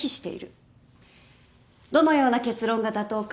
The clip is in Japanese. どのような結論が妥当か